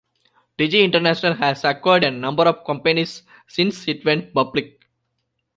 Digi International has acquired a number of companies since it went Public.